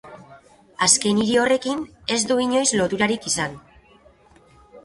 Azken hiri horrekin ez du inoiz loturarik izan.